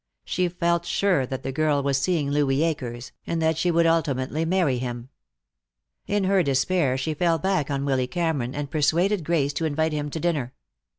She felt sure that the girl was seeing Louis Akers, and that she would ultimately marry him. In her despair she fell back on Willy Cameron and persuaded Grace to invite him to dinner.